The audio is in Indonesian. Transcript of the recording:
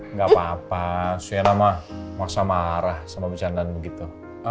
nggak apa apa sienna mah maksa marah sama bercandanya begitu